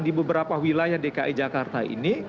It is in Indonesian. di beberapa wilayah dki jakarta ini